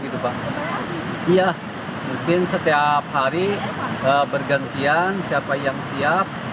iya mungkin setiap hari bergantian siapa yang siap